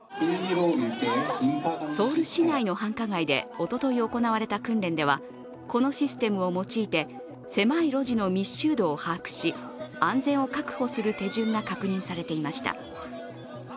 ソウル市内の繁華街でおととい行われた訓練ではこのシステムを用いて狭い路地の密集度を把握し安全を確保する手順が確認されていました。